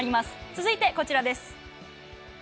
続いてこちらです。